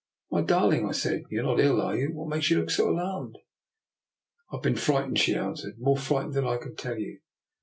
" My darling," I said, " you are not ill, are you? What makes you look so alarmed? " "I have been frightened," she answered; " more frightened than I can tell you."